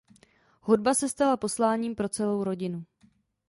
Hudba se stala posláním pro celou rodinu.